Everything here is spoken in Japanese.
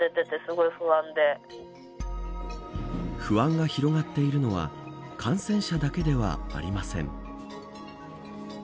不安が広がっているのは感染者だけではありません。